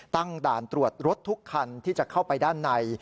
ตั้งด่านตรวจรถทุกคันที่จะเข้าไปด้านใน